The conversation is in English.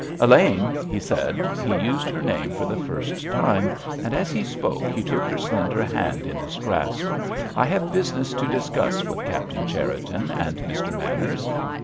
"Elaine," he said—he used her name for the first time, and as he spoke he took her slender hand in his grasp—"I have business to discuss with Captain Cherriton and Mr. Manners."